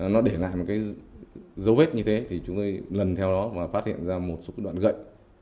nó để lại một cái dấu vết như thế thì chúng tôi lần theo đó và phát hiện ra một số cái đoạn gậy